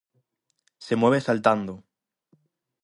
Se mueve saltando.